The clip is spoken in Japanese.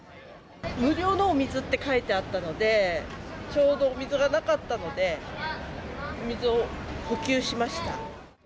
無料のお水って書いてあったので、ちょうどお水がなかったので、水を補給しました。